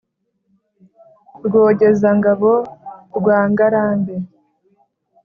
Rwogezangabo rwa Ngarambe,